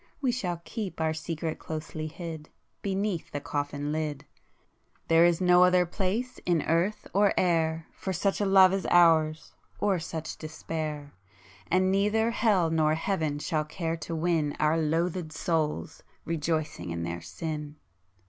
—we shall keep Our secret closely hid Beneath the coffin lid,— There is no other place in earth or air For such a love as ours, or such despair! [p 157] And neither hell nor heaven shall care to win Our loathëd souls, rejoicing in their sin!